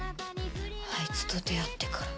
あいつと出会ってから。